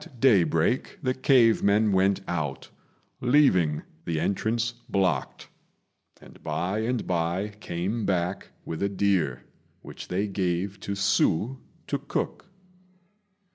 At daybreak the cave men went out, leaving the entrance blocked, and by and by came back with a deer, which they gave to Hsü to cook.